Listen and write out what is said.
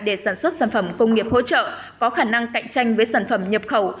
để sản xuất sản phẩm công nghiệp hỗ trợ có khả năng cạnh tranh với sản phẩm nhập khẩu